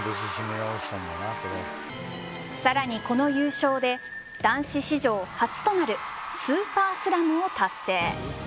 更に、この優勝で男子史上初となるスーパースラムを達成。